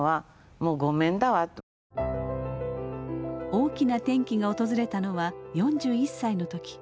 大きな転機が訪れたのは４１歳の時。